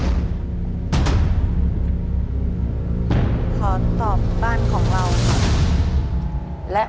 และคุณนกเลือกตอบเรื่องแรกคือเรื่องบ้านของเราครับ